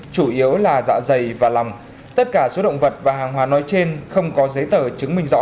chủ yếu là dạ dày và lòng tất cả số động vật và hàng hóa nói trên không có giấy tờ chứng minh rõ